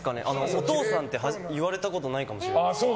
お父さんって言われてことないかもしれない。